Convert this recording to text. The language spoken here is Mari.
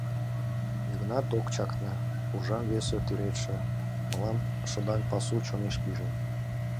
Йыгнат ок чакне: уржам весе тӱредше, мылам шыдаҥ пасу чонеш пижын.